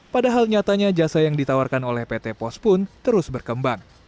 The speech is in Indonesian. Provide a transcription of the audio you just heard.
padahal nyatanya jasa yang ditawarkan oleh pt pos pun terus berkembang